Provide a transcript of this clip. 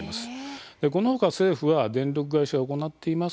このほか政府は電力会社が行っています